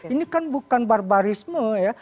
ini kan bukan barbarisme ya